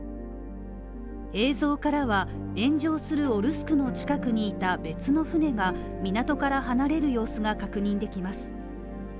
映像からは、炎上する「オルスク」の近くにいた別の船が港から離れる様子が確認できます。